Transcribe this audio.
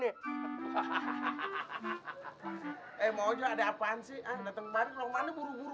dateng kemarin orang mana buru buru